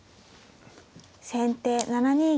先手７二銀不成。